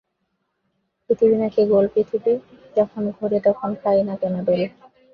পৃথিবী নাকি গোল পৃথিবী যখন ঘোরে তখন খাই না কেন দোল?